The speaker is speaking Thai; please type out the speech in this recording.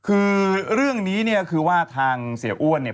คือเรื่องนี้เนี่ยคือว่าทางเสียอ้วนเนี่ย